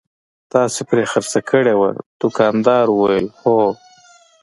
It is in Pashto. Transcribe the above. تاسې پرې خرڅه کړې وه؟ دوکاندارې وویل: هو.